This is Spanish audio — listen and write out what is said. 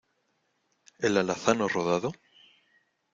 ¿ el alazano rodado?